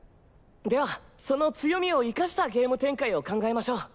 ではその強みを生かしたゲーム展開を考えましょう。